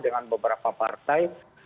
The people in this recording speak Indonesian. dengan beberapa partai